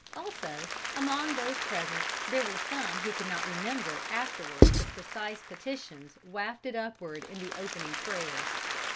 Also, among those present there were some who could not remember afterward the precise petitions wafted upward in the opening prayer.